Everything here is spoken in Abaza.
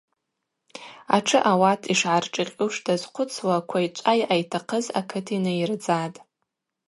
Атшы ауат йшгӏаршӏикъьуш дазхъвыцуа Квайчӏва йъайтахъыз акыт йнайырдзатӏ.